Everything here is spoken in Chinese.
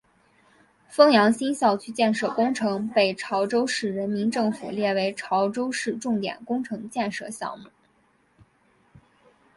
枫洋新校区建设工程被潮州市人民政府列为潮州市重点工程建设项目。